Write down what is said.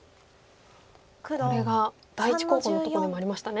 これが第１候補のところにもありましたね。